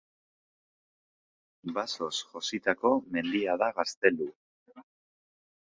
Basoz jositako mendia da Gaztelu.